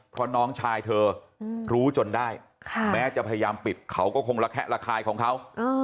เพราะน้องชายเธอรู้จนได้แม้จะพยายามปิดเขาก็คงระแคะระคายของเขา